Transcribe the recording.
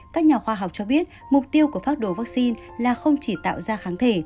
các nhà khoa học cho biết mục tiêu của phát đổ vaccine là không chỉ tạo ra kháng thể